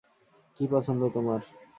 কী পছন্দ তোমার?